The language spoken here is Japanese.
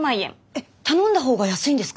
えっ頼んだ方が安いんですか？